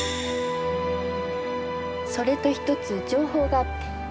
それと１つ情報があって。